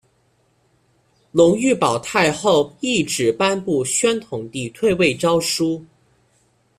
隆裕皇太后懿旨颁布宣统帝退位诏书。